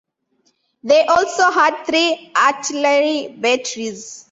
They also had three artillery batteries.